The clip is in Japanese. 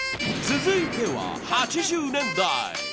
続いては８０年代。